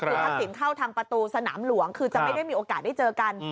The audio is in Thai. คือทักษิณเข้าทางประตูสนามหลวงคือจะไม่ได้มีโอกาสได้เจอกัน